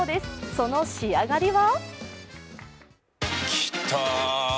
その仕上がりは？